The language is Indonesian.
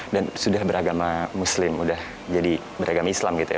dan sudah beragama muslim udah jadi beragama islam gitu ya